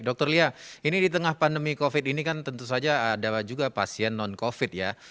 dr lia ini di tengah pandemi covid ini kan tentu saja ada juga pasien non covid ya